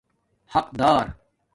حَق دار